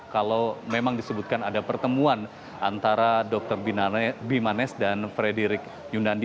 kalau memang disebutkan ada pertemuan antara dr bimanes dan frederick yunandi